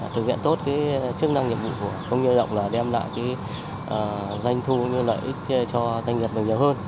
thực hiện tốt chức năng nhiệm vụ của công nghiệp lao động là đem lại doanh thu như lợi ích cho doanh nghiệp nhiều hơn